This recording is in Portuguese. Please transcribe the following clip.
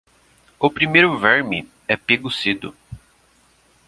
O primeiro verme é pego cedo.